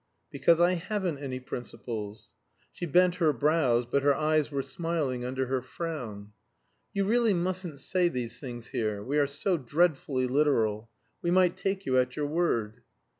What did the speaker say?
"Because I haven't any principles." She bent her brows; but her eyes were smiling under her frown. "You really mustn't say these things here. We are so dreadfully literal. We might take you at your word."